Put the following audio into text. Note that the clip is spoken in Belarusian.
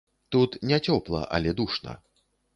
Тут не цёпла, але душна.